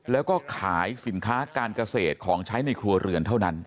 แล้วก็ขายสินค้าการเกษตรของใช้ในครัวเรือนเท่านั้น